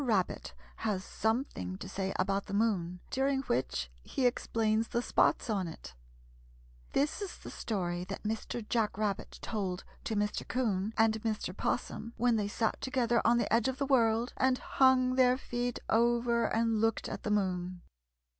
RABBIT HAS SOMETHING TO SAY ABOUT THE MOON, DURING WHICH HE EXPLAINS THE SPOTS ON IT This is the story that Mr. Jack Rabbit told to Mr. 'Coon and Mr. 'Possum when they sat together on the edge of the world and hung their feet over and looked at the moon.